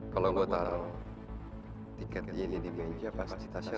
kalau gue tahu tiket jenis di meja pasti tasya